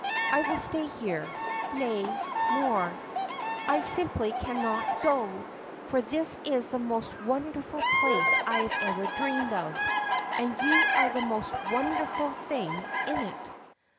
I will stay here ; nay more : I simply cannot go, for this is the most wonderful place I have ever dreamed of, and you are the most wonderful thing in it.'